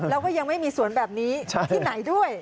แล้วก็ยังไม่มีสวนแบบนี้ที่ไหนด้วย